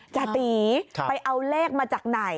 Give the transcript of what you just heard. จติไปเอาเลขมาจากไหน